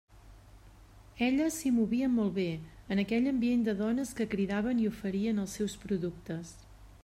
Ella s'hi movia molt bé, en aquell ambient de dones que cridaven i oferien els seus productes.